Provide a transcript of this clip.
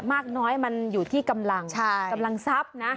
มากน้อยมันอยู่ที่กำลังเหมือนกำลังซับ